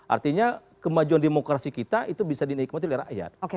artinya kemajuan demokrasi kita itu bisa dinikmati oleh rakyat